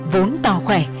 vốn tỏ khỏe